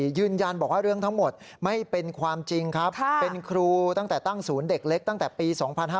ยืนยันบอกว่าเรื่องทั้งหมดไม่เป็นความจริงครับเป็นครูตั้งแต่ตั้งศูนย์เด็กเล็กตั้งแต่ปี๒๕๕๙